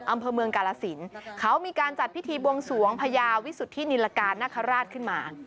อำเภอเมืองกาลสินเขามีการจัดพิธีบวงสวงพญาวิสุทธินิรการนคราชขึ้นมา